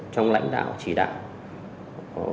trong lãnh đạo chỉ đạo